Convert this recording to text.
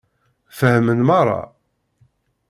Fehmen meṛṛa?